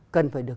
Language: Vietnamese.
cần phải được